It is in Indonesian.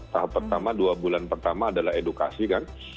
tahap pertama dua bulan pertama adalah edukasi kan